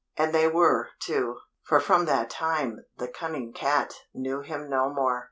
And they were, too; for from that time the "Cunning Cat" knew him no more.